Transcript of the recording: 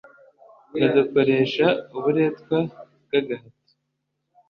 badukoresha uburetwa bw agahato